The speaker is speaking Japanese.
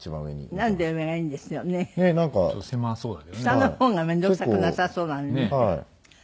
下の方が面倒くさくなさそうなのに。